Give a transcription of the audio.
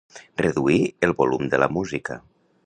Reduir el volum de la música.